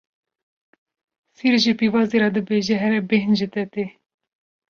Sîr ji pîvazê re dibêje here bêhn ji te tê.